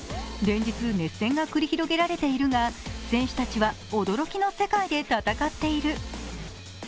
連日熱戦が繰り広げられているが、選手たちは驚きの世界で戦っている。